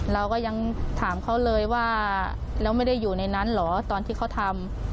เราก็ยังถามเขาเลยว่าแล้วไม่ได้อยู่ในนั้นเหรอตอนที่เขาทำ